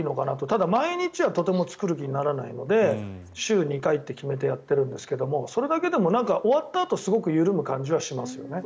ただ、毎日はとても作る気にならないので週２回って決めてやっているんですけどそれだけでも終わったあとすごく緩む感じはしますよね。